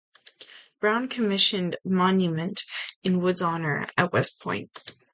Brown commissioned a monument in Wood's honor at West Point.